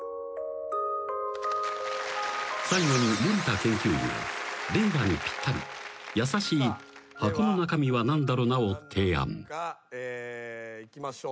［最後に森田研究員が令和にぴったり優しい「箱の中身はなんだろな？」を提案］いきましょう。